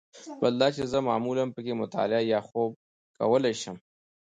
بل دا چې زه معمولاً په کې مطالعه یا خوب کولای شم.